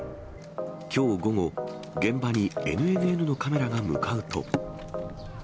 きょう午後、現場にＮＮＮのカメラが向かうと。